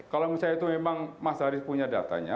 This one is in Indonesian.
kalau misalnya itu memang mas haris punya datanya